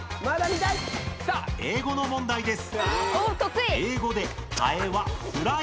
英語の問題です。